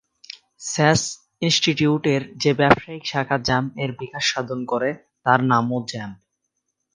স্যাস ইন্সটিটিউটের যে ব্যবসায়িক শাখা জাম্প এর বিকাশ সাধন করে তার নামও জাম্প।